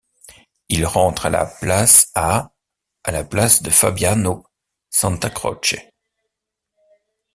Il rentre à la à la place de Fabiano Santacroce.